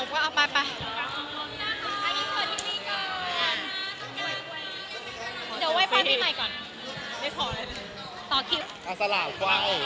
ใครจะเอาก็เอาไป